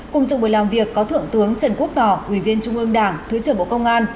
cùng dự buổi làm việc có thượng tướng trần quốc tỏ ủy viên trung ương đảng thứ trưởng bộ công an